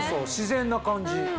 自然な感じ。